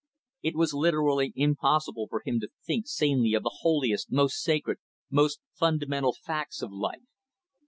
It was literally impossible for him to think sanely of the holiest, most sacred, most fundamental facts of life.